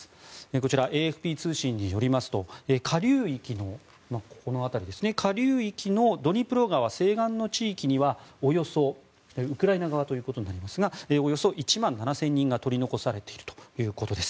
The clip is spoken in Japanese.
こちら、ＡＦＰ通信によりますと下流域のドニプロ川西岸の地域にはウクライナ側となりますがおよそ１万７０００人が取り残されているということになります。